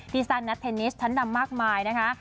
ดีสรรดินักเทนนิสทั้งดำมากมายนะคะ